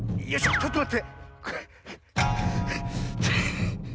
ちょっとまって。